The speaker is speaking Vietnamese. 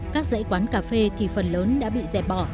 các dãy quán cà phê thì phần lớn đã bị dẹp bỏ